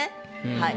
はい。